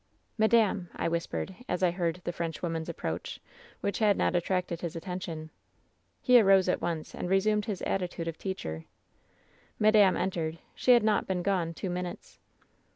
" ^Madame !' I whispered, as I heard the French woman's approach, which had not attracted his atten tion. "He arose at once, and resumed his attitude of teacher. "Madame entered. She had not been gone two min utes.